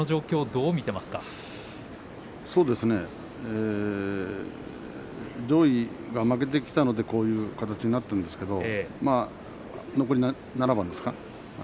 そうですね上位が負けてきたのでこういう形になったんですけれど残り７番ですか。